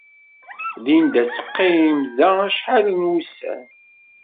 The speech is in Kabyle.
Linda ad teqqim da acḥal n wussan.